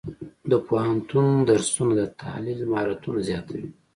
د پوهنتون درسونه د تحلیل مهارتونه زیاتوي.